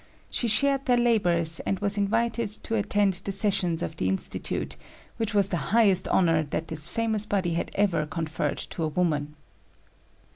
She shared their labors and was invited to attend the sessions of the Institut, which was the highest honor that this famous body had ever conferred on a woman.